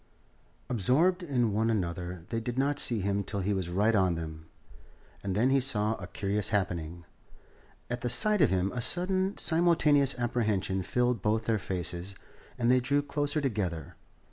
Absorbed in one another, they did not see him till he was right on them, and then he saw a curious happening. At the sight of him a sudden, simultaneous apprehension filled both their faces, and they drew closer together.